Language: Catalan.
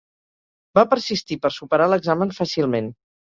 Va persistir per superar l'examen fàcilment.